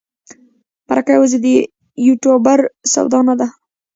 مرکه یوازې د یوټوبر سودا نه ده.